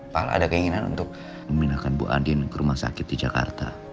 pak ada keinginan untuk memindahkan bu adin ke rumah sakit di jakarta